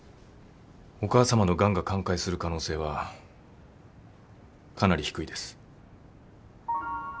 お母さまのがんが寛解する可能性はかなり低いです。